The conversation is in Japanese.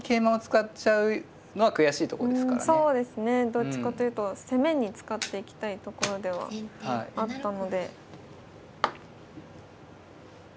どっちかというと攻めに使っていきたいところではあったので。